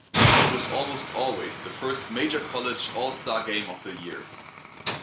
It was almost always the first major college all-star game of the year.